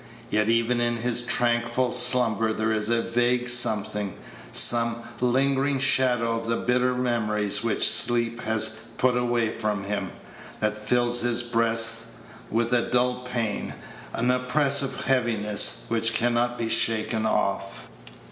Yet even in his tranquil slumber there is a vague something, some lingering shadow of the bitter memories which sleep has put away from him, that fills his breast with a dull pain, an oppressive heaviness, which can not be shaken off.